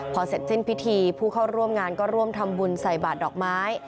พอเสร็จสิ้นพิธีผู้เข้าร่วมงานก็ร่วมทำบุญใส่บาทดอกไม้